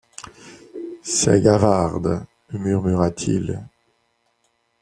C’est Gavard. .., murmura-t-il.